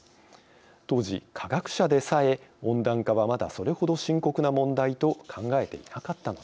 当時科学者でさえ温暖化はまだそれほど深刻な問題と考えていなかったのです。